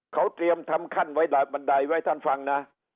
เขาเตรียมทำขั้นไว้บันไดไว้ท่านฟังนะ